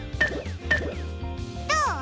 どう？